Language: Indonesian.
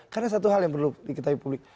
karena satu hal yang perlu diketahui publik